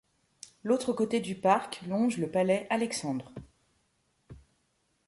L'autre côté du parc longe le palais Alexandre.